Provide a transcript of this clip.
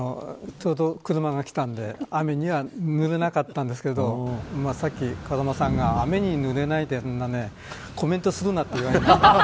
ちょうど車が来たので雨にはぬれませんでしたがさっき風間さんが雨にぬれないでコメントするなって言っていて。